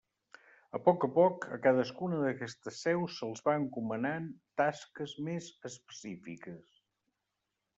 A poc a poc, a cadascuna d'aquestes seus se'ls van encomanant tasques més específiques.